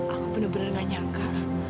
aku bener bener gak nyangka